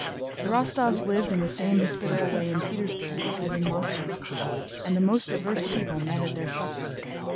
The Rostóvs lived in the same hospitable way in Petersburg as in Moscow, and the most diverse people met at their suppers.